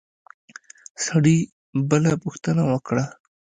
سړي بله پوښتنه وکړه.